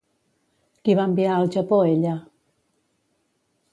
Qui va enviar al Japó ella?